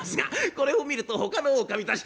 これを見るとほかの狼たち